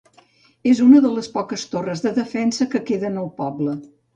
És una de les poques torres de defensa que queden al poble.